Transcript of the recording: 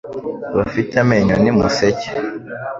abafite amenyo ni museke.